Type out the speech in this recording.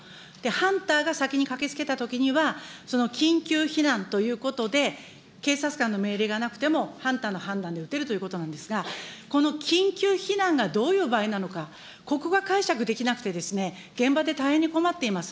ハンターが先に駆けつけたときには、その緊急避難ということで警察官の命令がなくても、ハンターの判断で撃てるということなんですが、この緊急避難がどういう場合なのか、ここが解釈できなくて、現場で大変に困っています。